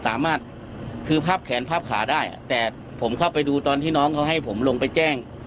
สามารถคือพับแขนพับขาได้แต่ผมเข้าไปดูตอนที่น้องเขาให้ผมลงไปแจ้ง